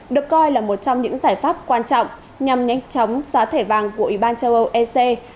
được coi là một trong những giải pháp quan trọng nhằm nhanh chóng xóa thẻ vàng của ủy ban châu âu ec